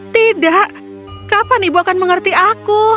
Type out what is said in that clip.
tidak kapan ibu akan mengerti aku